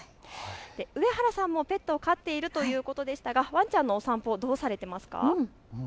上原さんもペットを飼っているということでしたがワンちゃんのお散歩、どうされていますか。